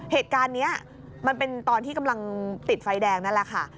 เหตุการณ์นี้มันเป็นตอนที่กำลังติดไฟแดงนั่นแหละค่ะ